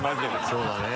そうだね。